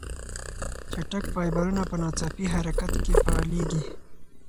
چټک فایبرونه په ناڅاپي حرکت کې فعالېږي.